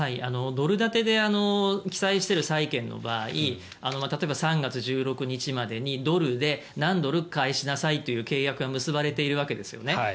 ドル建てで起債している債権の場合例えば、３月１６日までにドルで何ドル返しなさいという契約が結ばれているわけですよね。